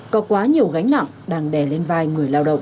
có quá nhiều gánh nặng đang đè lên vai người lao động